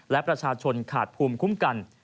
และประชาชนขาดภูมิคุ้มกัน